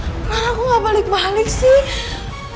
clara kok gak balik balik sih